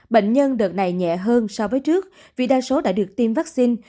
bệnh nhân đợt này nhẹ hơn so với trước vì đa số đã được tiêm vaccine